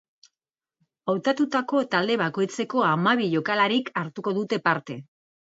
Hautatutako talde bakoitzeko hamabi jokalarik hartuko dute parte.